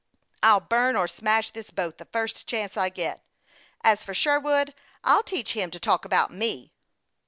I'll burn or smash this boat the first chance I get ! As for Sherwood, I'll teach him to talk about me